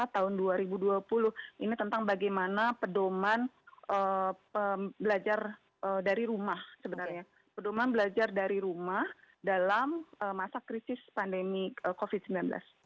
tahun dua ribu dua puluh ini tentang bagaimana pedoman belajar dari rumah sebenarnya pedoman belajar dari rumah dalam masa krisis pandemi covid sembilan belas